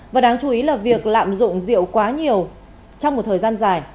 và đáng chú ý là việc lạm dụng rượu quá nhiều trong một thời gian dài